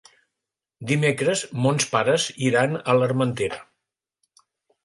Dimecres mons pares iran a l'Armentera.